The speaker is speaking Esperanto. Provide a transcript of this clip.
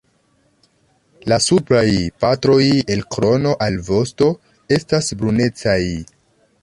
La supraj partoj el krono al vosto estas brunecaj.